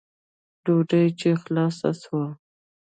ډوډۍ چې خلاصه سوه.